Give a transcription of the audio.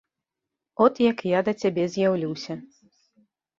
От як я да цябе з'яўлюся.